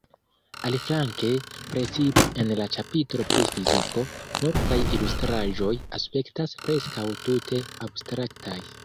Aliflanke, precipe en la ĉapitro pri “fiziko,” multaj ilustraĵoj aspektas preskaŭ tute abstraktaj.